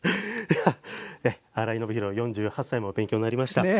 新井信宏、４８歳も勉強になりました。